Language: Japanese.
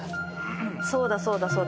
そうだそうだそうだ。